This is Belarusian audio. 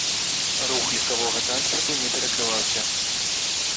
Рух легкавога транспарту не перакрываўся.